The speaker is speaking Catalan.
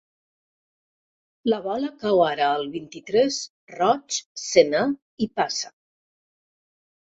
La bola cau ara al vint-i-tres, roig, senar i passa.